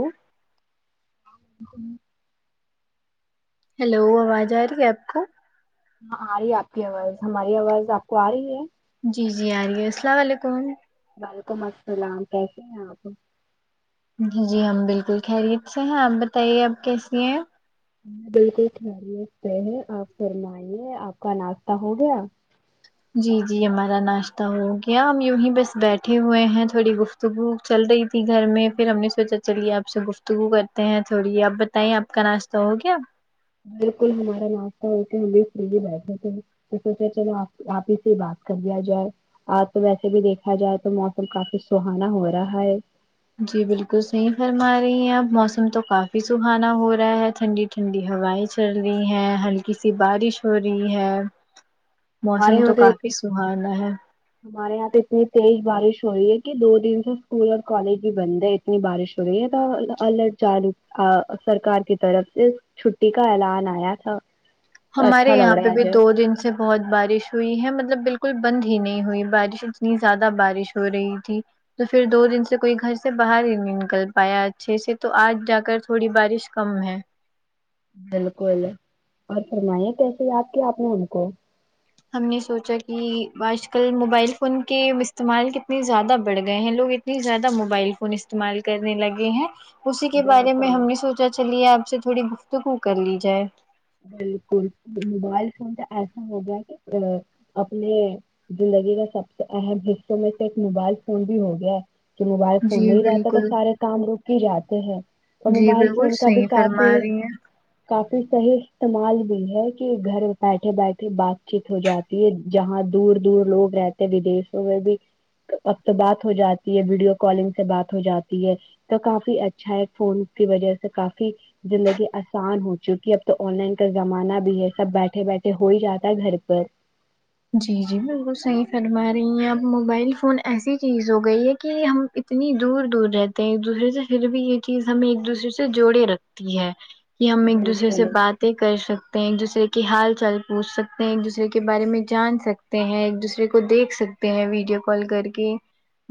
ہ ہ ہ ہیلو آواز آ رہی ہے آپ کو ہاں آ رہی ہے آپ کی آواز ہماری آواز آپ کو آ رہی ہے جی جی آ رہی ہے السلام علیکم وعلیکم السلام کیسے ہیں آپ جی ہم بالکل خیریت سے ہیں آپ بتائیے آپ کیسی ہیں بالکل خیریت سے ہے آپ فرمائیے آپ کا ناشتہ ہو گیا جی جی ہمارا ناشتہ ہو گیا ہم یوں یی بس بیٹھے ہوئے ہیں تھوڑی گفت گفتگو چل رہی تھی گھر میں پھر ہم نے سوچا چلیے آپ سے گفتگو کرتے ہیں تھوڑی آپ بتائیں آپ کا ناشہ تو ہو گیا بالکل ہمارا ناشتہ ہے کہ ہم بھی فری ہی بیٹھے تھے ہیں تو سوچا چلو آپ آپ ہی سے بات کر لیا جائے آج تو ویسے بھی دیکھا جائے تو موسم کافی سہانا ہو رہا ہے جی بالکل صحیح فرما رہی ہیں اپ موسم تو کافی سہانا ہو رہا ہے ٹھنڈی ٹھنڈی ہوائیں چل رہی ہیں ہلکی سی بارش ہو رہی ہے ہمارے موسم یہاں تو کافی سہانا ہے ہمارے یہاں پہ اتنی تیز بارش ہو رہی ہے کہ دو دن سے اسکول اور کالج بھی بند ہے اتنی بارش ہو رہی ہے الرٹ جار سرکار کی طرف سے چھٹی کا اعلان آیا تھا تو ہمارے اچھا یہاں لگ پہ رہا ہے بھی اجے دو دن اس سے بہت بارش ہوئی ہے مطلب بالکل بند ہی نہیں ہوئی بارش اتنی زیادہ بارش ہو رہی تھی تو پھر دو دن سے کوئی گھر سے باہر ہی نہیں نکل پایا اچھے سے تو آج جا کر تھوڑی بارش کم ہے بالکل اور فرمائیے کیسے یاد کیا آپ نے ان کو ہم نے سوچا کہ آج کل موبائل فون کے استعمال کتنے زیادہ بڑھ گئے ہیں لوگ اتنے زیادہ موبائل فون استعمال کرنے لگے ہیں اسی کے بارے میں بالکل ہم نے سوچا چلی ہے آپ سے تھوڑی گفتگو کر لی جائے بالکل موبائل فون تو ایسا ہوگیا کہ ا اپنے زندگی کا سب سے اہم حصوں میں سے ایک موبائل فون بھی ہو گیا ہے ج موبائل فون جی نہیں رہتا تو بالکل سارے کام رک کے جاتے ہیں اور جی موبائل بالکل فون کا بھی صحیح فرما کافی رہی ہیں کافی صحیح استعمال بھی ہے کہ گھر بیٹھے بیٹھے بات چیت ہو جاتی ہے جہاں دور دور لوگ رہتے ودیشوں میں بھی وقت بات ہو جاتی ہے ویڈیو کالنگ سے بات ہو جاتی ہے تو کافی اچھا ہے فون کی وجہ سے کافی زندگی آسان ہو چکی ہے اب تو آن لائن کا زمانہ بھی ہے سب بیٹھے بیٹھے ہو ہی جاتا ہے گھر پر جی جی بالکل صحیح فرما رہی ہیں اپ موبائل فون ایسی چیز ہو گئی ہے کہ ہم اتنی دور دور رہتے ہیں ایک دوسرے سے پھر بھی یہ چیز ہمیں ایک دوسرے سے جوڑے رکھتی ہے کہ ہم ایک دوسرے سے بالکل باتیں کر سکتے ہیں ایک دوسرے کے حال چال پوچھ سکتے ہیں ایک دوسرے کے بارے میں جان سکتے ہیں ایک دوسرے کو دیکھ سکتے ہیں ویڈیو کال کر کے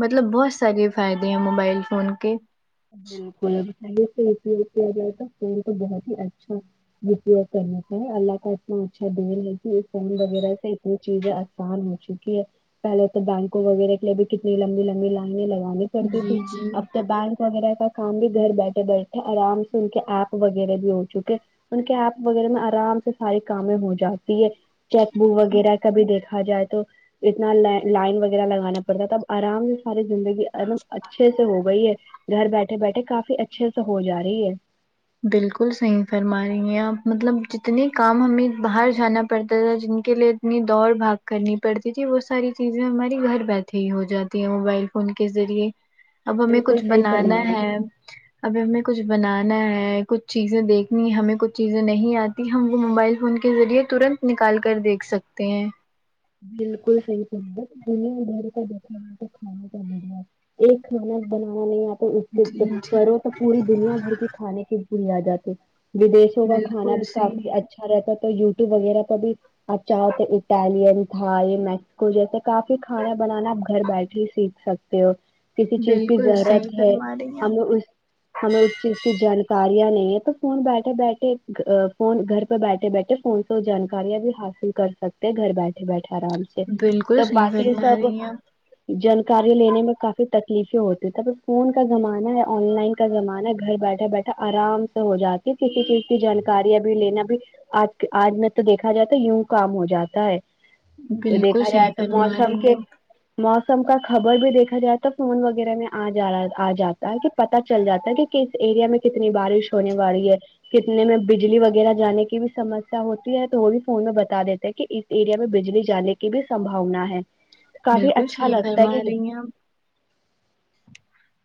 مطلب بہت سارے فائدے ہیں موبائل فون کے [unintelligible] یوگ کرنے کا ہے اللہ کا اتنا اچھا دل ہے کہ فون وغیرہ سے چیز آسان ہو چکی ہے پہلے تو بینکوں وغیرہ کے لیے بھی کتنی لمبی لمبی لائن لگانے پڑتی تھی جی جی اب تو بینک وغیرہ کا کام بھی گھر بیٹھے بیٹھے آرام سے ان کے ایپ وغیرہ بھی ہو چکے ان کے ایپ وغیرہ میں آرام سے ساری کامیں ہو جاتی ہے چیک بک وغیرہ کا بھی دیکھا جائے تو اتنا ل لائن وغیرہ لگانا پڑتا ہے تب آرام سے ساری زندگی ایکم اچھے سے ہو گئی ہے گھر بیٹھے بیٹھے کافی اچھے سے ہو جا رہی ہے بالکل صحیح فرما رہی ہیں آپ مطلب جتنے کام ہمیں باہر جانا پڑتا تھا جن کے لیے اتنی دوڑ بھاگ کرنی پڑتی تھی وہ ساری چیزیں ہماری گھر بیٹھے ہی ہو جاتی ہیں موبائل فون کے ذریعے اب ہمیں بالکل کچھ صحیح فرما بنانا رہی ہے اب ہمیں کچھ بنانا ہے کچھ چیزیں دیکھنی ہمیں کچھ چیزیں نہیں آتی ہم وہ موبائل فون کے ذریعے ترنت نکال کر دیکھ سکتے تے ہے بالکل صحیح فرما رہے ہو دنیا دھر کا دیکھا ہو تو کھانا کا مے ایک کھانا [unintelligible] تو اس سے جی جب جی کرو تو پوری دنیا بھر کی کھانے کی بھول آ جاتے ودشیو کا کھانا بالکل بھی صحیح کافی ا اچھا رہتا تو یوٹیوب وغیرہ پر بھی اچھا ہوتے اٹیلین ہاں یہ میکسکو جیسے کافی کھانا بنانا آپ گھر بیٹھے ہی سیکھ سکتے ہو کسی چیز کی بالکل صحیح ضرورت ہے فرما رہی ہیں آپ ہمیں اس ہمیں اس چیز کی جانکاریاں نہیں ہے تو فون بیٹھے بیٹھے فون گھر پہ بیٹھے بیٹھے فون تو جانکاریاں بھی حاصل کر سکتے ہیں گھر بیٹھے بیٹھے آرام سے بالکل تب صحیح باقی فرما سب رہی ہیں آپ جانکاری لینے میں کافی تکلیفیں ہوتی تھے تبھی فون کا زمانہ ہے آن لائن کا زمانہ ہے گھر بیٹھے بیٹھے آرام سے ہو جاتی کسی چیز کی جانکاری ابھی لینا بھی آج آج میں تو دیکھا جاتا ہے یوں کام ہو جاتا ہے تو بالکل دیکھا صحیح جائے تو فرما موسم رہی ہیں کے آپ موسم کا خبر بھی دیکھا جائے تو فون وغیرہ میں جاا آ جاتا ہے کہ پتا چل جاتا ہے کہ کس ایریا میں کتنی بارش ہونے والی ہے کتنے میں بجلی وغیرہ جانے کی بھی سمسیا ہوتی ہے تو وہ بھی فون میں بتا دیتے کہ اس ایریا میں بجلی جانے کی بھی سمباونا ہے کافی بالکل اچھا صحیح لگتا ہے فرما کہ رہی ہیں آپ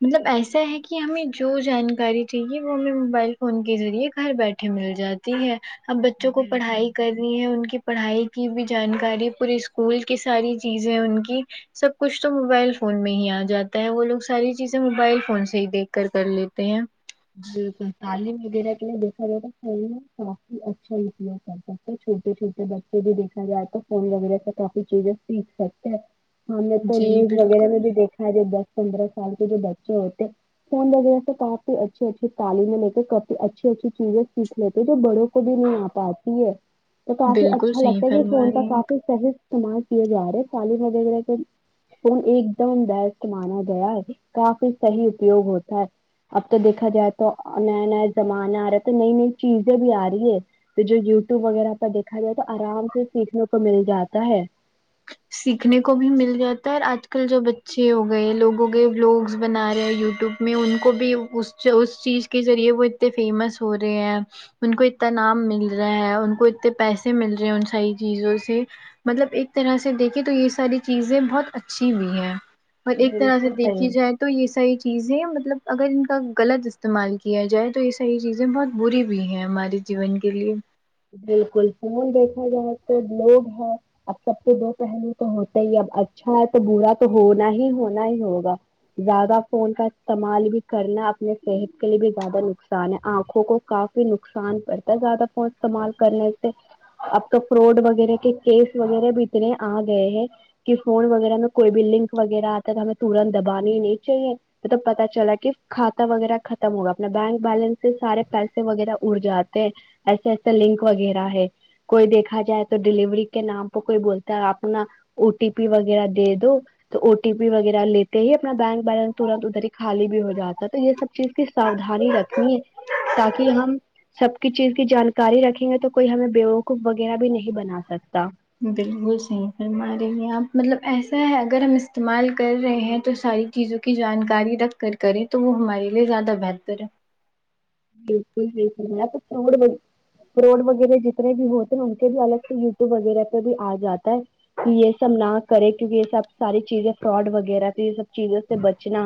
مطلب ایسا ہے کہ ہمیں جو جانکاری چاہیے وہ ہمیں موبائل فون کے ذریعے گھر بیٹھے مل جاتے ہے اب بچوں کو بالکل پڑھائی کر ان کی پڑھائی کی بھی جانکاری پورے اسکول کی ساری چیزیں ان کی سب کچھ تو موبائل فون میں ہی آ جاتا ہے وہ لوگ ساری چیزیں موبائل فون سے ہی دیکھ کر کر لیتے ہیں بالکل تعلیم وغیرہ کے لیے دیکھا جاتا فون کافی اچھا نکلا کر تھا چھوٹے چھوٹے بچے بھی دیھکا جائے تو فون وغیرہ سے کافی چیزیں سیکھ سکتے ہیں ہم نے تو جی نیوز وغیرہ بالکل میں بھی دیکھا ہے بس پندرہ سال کے جو بچے ہوتے فون وغیرہ سے کاف اچھھی اچھی تعلیم کے کافی اچھی اچھی چیزیں سیکھ لیتے جو بڑوں کو کو بھی نہیں آ پاتی ہے تو کافی بالکل اچھا صحیح لگتا ہے کہ فرما فون کا رہی ہیں کافی صحیح استعمال کیے جا رہے ہیں تعلیم وغیرہ پے فون ایک دم بیسٹ مانا گیا ہے کافی صحیح اپیوگ ہوتا ہے اب تو دیکھا جائے تو نئے نئے زمانے آ رہے تو نئی نئی چیزیں بھی آ رہی ہے تو جو یوٹیوب وغیرہ پر دیکھا جائے تو آرام سے سیکھنے کو مل جاتا ہے سیکھنے کو بھی مل جاتا ہے اور آج کل جو بچے ہو گئے لوگوں کے ولوگس بنا رہے یوٹیپ میں ان کو بھی اس چ اس چیز کے ذریعے وہ اتنے فیمس ہو رہے ہیں ان کو اتنا نام مل رہا ہے ان کو اتنے پیسے مل رہے ہیں ان ساری چیزوں سے مطلب ایک طرح سے دیکھیں تو یہ ساری چیزیں بہت اچھی بھی ہیں اور ایک طرح سے بالکل دیکھی صحیح جائے تو یہ ساری چیزیں مطلب اگر ان کا غلط استعمال کیا جائے تو یہ ساری چیزیں بہت بری بھی ہے ہمارے جیون کے لیے بالکل فون دیکھا جائے تو لوگ ہے اب سب کے دو پہلے تو ہوتا ہی اب اچھا ہے تو برا تو ہونا ہی ہونا ہی ہوگا زیادہ فون کا استعمال بھی کرنا اپنے صحت کے لیے بھی زیادہ نقصان ہے آنکھوں کو کافی نقصان پڑتا ہے زیادہ فون استعمال کرنے سے اب تو فراڈ وغیرہ کے کیس وغیرہ بھی اتنے آ گئے ہیں کہ فون وغیرہ میں کوئی بھی لنک وغیرہ آتا ہے تو ہمیں ترنت دبانی نہیں چاہیے مطلب پتا چلا کہ کھاتا وغیرہ ختم ہوگا اپنا بینک بیلنس سے سارے پیسے وغیرہ اڑ جاتے ہیں ایسے ایسے لنک وغیرہ ہے کوئی دیکھا جائے تو ڈیلیوری کے نام پے کوئی بولتا ہے اپنا او ٹی پی وغیرہ دے دو تو او ٹی پی وغیرہ لیتے ہی اپنا بینک بیلنس ترنت ادھر ہی خالی بھی ہو جاتا ہے تو یہ سب چیز کی ساؤدھانی رکھنی تاکہ ہم سب کی چیز کی جان کاری رکھیں گے تو کوئی ہمیں بیوقوف وغیرہ بھی نہیں بنا سکتا بالکل صحیح فرما رہی ہیں آپ مطلب ایسا ہے اگر ہم استعمال کر رہے ہیں تو ساری چیزوں کی جانکاری رکھ کر کریں تو وہ ہمارے لیے زیادہ بہتر ہے بالکل بالکل [unintelligible] فروڈ وغیرہ جتنے بھی ہوتے ان کے بھی الگ سے یوٹیوب وغیرہ پے بھی آ جاتا ہے کی یے سب نہ کرے کیونکی یے سب ساری چیزیں فراڈ وغیرہ تو یے سب چیزوں سے بچنا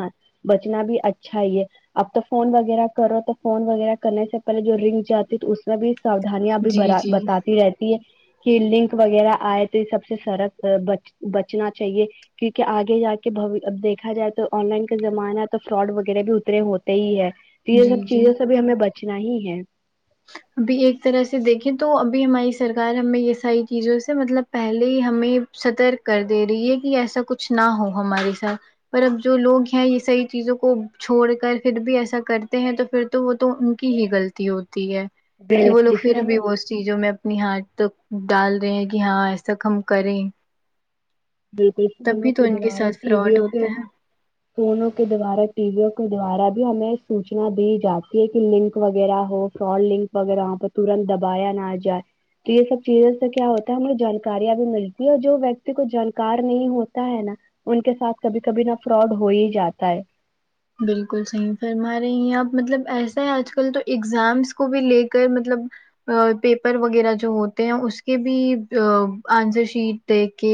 بچنا بھی اچھا ہی ہے اب تو فون وغیرہ کرو تو فون وغیرہ کرنے سے پہلے جو رنگ جاتی تو اس میں بھی ساؤدھنیاں بی جی بارا جی بتاتی رہے تی یے کی لنک وغیرہ آئے تو یے سب سے سرک آ بچ بچنا چاہیے کیونکی آگے جا کے بھوی اب دیکھا جائے تو آن لائن کا زمانہ تو فراڈ وغیرہ بھی اترے ہوتے ہی ہے تو یے جی سب جی چیزوں سے بھی ہمیں بچنا ہی ہے ابھی ایک طرح سے دیکھیں تو ابھی ہماری سرکار ہمیں یے ساری چیزوں سے مطلب پہلے ہی ہمیں سترک کر دے رہی ہے کی ایسا کچھ نہ ہو ہمارے ساتھ پر اب جو لوگ ہیں یے صحیح چیزوں کو چھوڑ کر فیر بھی ایسا کرتے ہیں تو پھر تو وہ تو ان کی ہی غلطی ہوتی ہے کی وہ لوگ جسے فیر ہمیں بھی وہ چیزوں میں اپنی ہاتھ تک ڈال رہے ہیں کی ہاں ایسا ہم کریں بالکل تب فونوں بھی تو کے ان دوارا ساتھ ٹی وی فراڈ یو کے ہوتا ہے فونوں کے دوارا ٹیویوں کے دوارا بھی ہمیں سوچنا دی جاتی ہے کی لنک وغیرہ ہو فراڈ لنک وغیرہ وہاں پے ترنت دبایا نہ جائے تو یے سب چیزوں سے کیا ہوتا ہے ہمیں جانکارییاں بھی ملتی ہے اور جو ویکتی کو جان کار نہیں ہوتا ہے نا ان کے ساتھ کبھی کبھی نا فراڈ ہو ہی جاتا ہے بالکل صحیح فرما رہی ہیں آپ مطلب ایسا ہے آج کل تو ایگزامس کو بھی لے کر مطلب آ پیپر وغیرہ جو ہوتے ہیں اس کے بھی آ آنسر شیٹ دیک کے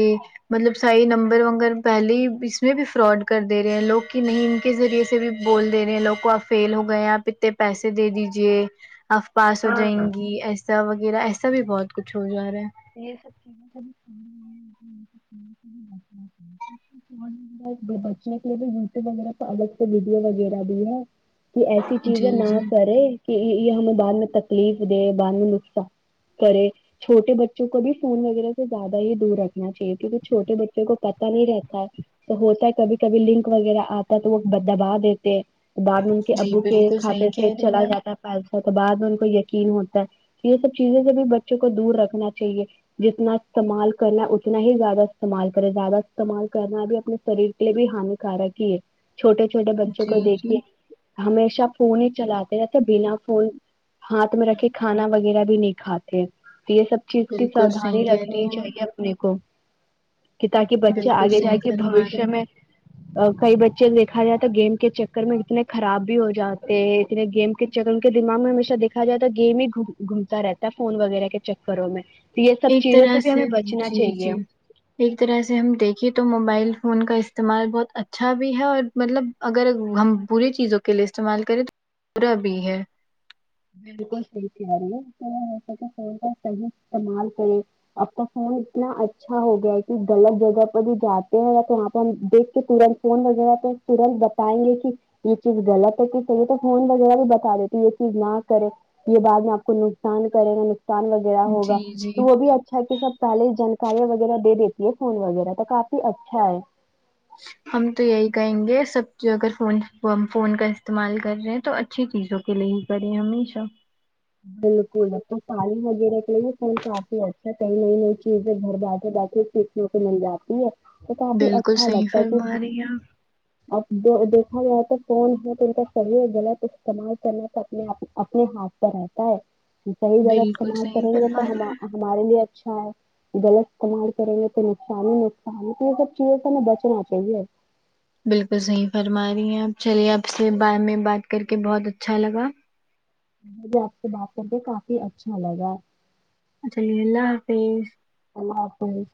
مطلب صحیح نمبر وگر پہلے ہی اس میں بھی فراڈ کر دے رہے ہیں لوگ کی نہیں کے ذریعے سے بھی بول دے رہے ہیں لوگ کو آپ فیل ہو گئے ہیں آپ اتنے پیسے دے دیجے آپ پاس ہو ہاں جائیں ہاں گی ایسا وغیرہ ایسا بھی بہت کچھ ہو جا رہا ہے تو یے سب [unintelligible] [unintelligible] بچنے کے لیے بھی یوٹیوب وغیرہ کا الگ سے ویڈیو وغیرہ بھی ہے کی ایسی ہے جی چیزیں نہ جی کرے کی یے یے ہمیں بعد میں تکلیف دے بعد میں نقصا کرے چھوٹے بچ چوں کو بھی فون وغیرہ سے زیادہ ہی دور رکھنا چاہیے کیونکی چوٹے بچوں کو پتا نہیں رہتا تو ہوتا ہے کبھی کبھی لنک وغیرہ آتا ہے تو وہ دبا دیتے ہیں بعد میں ان کے جی ابو کے بالکل کھاتے صحیح سے کہہ رہی چلا ہیں جاتا ہے پیسہ تو بعد میں ان کو یقین ہوتا ہے کی یے سب چیزوں سے بھی بچوں کو دور رکھنا چاہیے جتنا استعمال کرنا اتنا ہی زیادہ استعمال کریں زیادہ استعمال کرنا بھی اپنے شریر کے لیے بھی ہانیکارک ہی چھوٹے چھوٹے آپ بچوں کو جی دیکھیے جی ہمیشہ فون ہی چلاتے رہتے بنا فون ہاتھ میں رکھے کھانا وغیرہ بھی نہیں کھاتے تو یے سب چیز کی بالکل سودھانی صحیح کہہ رہی رکھنی ہیں آپ چاہیے اپنے کو کی تاکہ بچے بالکل آگے صحیح جاکے فرما بہویشہ رہی ہیں میں کئی بچے دیکھا جائے تو گیم کے چکر میں اتنے خراب بھی ہو جاتے ہیں اتنے گیم جب ان کے دماغ میں ہمیشہ دیکھا جاتا ہے گیم ہی گھومتا رہتا ہے فون وغیرہ کے چکروں میں یہ سب ایک چیزوں طرح سے بھی ہمیں بچنا جی جی چاہیے ایک طرح سے ہم دیکھیں تو موبائل فون کا استعمال بہت اچھا بھی ہے اور مطلب اگر ہم بری چیزوں کے لیے استعمال کریں تو برا بھی ہے بالکل صحیح تیاری ہے اس طرح ایسا کہ فون کا صحیح استعمال کرے اب کا فون اتنا اچھا ہو گیا ہے کہ غلط جگہ پر بھی جاتے ہیں تو وہاں پہ ہم دیکھ کے تورن فون وغیرہ پہ تورنت بتائیں گے کی یے چیز غلط ہے کی صحیح تو فون وغیرہ بھی بتا دیتے یے چیز نہ کرے یے بعد میں آپ کو نقصان کرے گا نقصان وغیرہ ہوگا جی جی تو وہ بھی اچھا کی سب پہلے جانکاریاں وغیرہ دے دیتی ہے فون وغیرہ تو کافی اچھا ہے ہم تو یہی کہیں گے سب اگر فون فون کا استعمال کر رہے ہیں تو اچھا اچھی چیزوں کے لیے ہی کریے ہمیشہ بالکل اب تو تعلیم وغیرہ کے لیے فون کافی اچھا کئی نئی نئی چیزیں گھر بیٹھے بیٹھے مل جاتی ہے تو کافی بالکل اچھا صحیح لگتا ہے کے فرما [unintelligible] رہی ہیں آپ اب دیکھا جائے تو فون ہے تو ان کا سریے غلط استعمال کرنا تھا اپنے اپنے ہاتھ رہتا ہے صحیح جگہ بالکل استعمال صحیح کرینگے تو فرما رہی ہیں ہمارے لیے اچھا ہے غلط استعمال کریں گے تو نقصان ہی نقصان تو یہ سب چیزوں سے ہمیں بچنا چاہیے بالکل صحیح فرما رہی ہیں آپ چلیے آپ سے بارے میں بات کر کے بہت اچھا لگا مجھے آپ سے بات کرکے کافی اچھا لگا جی اللہ حافظ اللہ حافظ